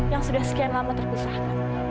yang sudah sekian lama terpisahkan